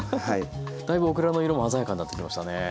だいぶオクラの色も鮮やかになってきましたねえ。